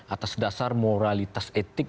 atas dasar moralitas etik